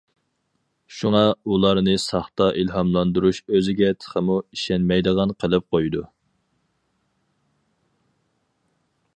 شۇڭا ئۇلارنى ساختا ئىلھاملاندۇرۇش ئۆزىگە تېخىمۇ ئىشەنمەيدىغان قىلىپ قويىدۇ.